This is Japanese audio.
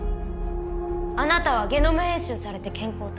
あなたはゲノム編集されて健康体。